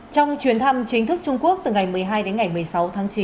trong chuyến thăm chính thức trung quốc từ ngày một mươi hai đến ngày một mươi sáu tháng chín